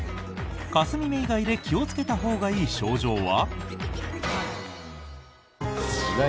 かすみ目以外で気をつけたほうがいい症状は？